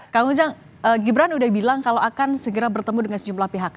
kang ujang gibran udah bilang kalau akan segera bertemu dengan sejumlah pihak